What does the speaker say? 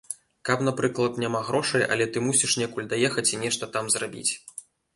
Каб, напрыклад, няма грошай, але ты мусіш некуль даехаць і нешта там зрабіць.